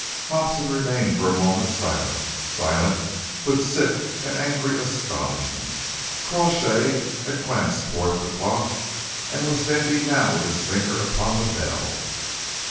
Hobson remained for a moment silent, silent with sick and angry astonishment. Crawshay had glanced towards the clock and was standing now with his finger upon the bell.